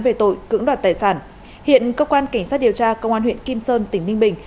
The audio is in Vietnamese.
về tội cưỡng đoạt tài sản hiện cơ quan cảnh sát điều tra công an huyện kim sơn tỉnh ninh bình